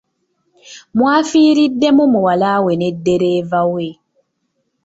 Mwafiiriddemu muwala we ne ddereeva we.